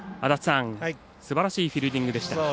すばらしいフィールディングでした。